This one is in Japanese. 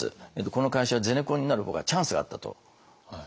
この会社はゼネコンになる方がチャンスがあったと思うんですよね。